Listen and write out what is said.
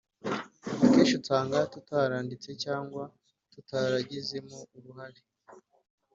akenshi usanga tutaranditse cyangwa tutaragizemo uruhare”